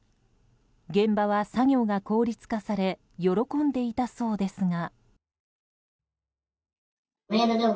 現場は作業が効率化され喜んでいたそうですが。